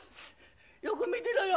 よく見てろよ！